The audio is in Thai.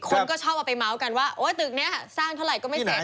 คนก็ชอบเอาไปเมาส์กันว่าตึกนี้สร้างเท่าไหร่ก็ไม่เสร็จ